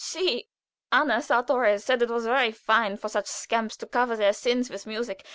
She Anna Sartorius said it was very fine for such scamps to cover their sins with music.